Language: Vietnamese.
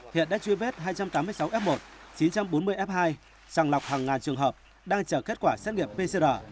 hiện đã truy vết hai trăm tám mươi sáu f một chín trăm bốn mươi f hai sàng lọc hàng ngàn trường hợp đang chờ kết quả xét nghiệm pcr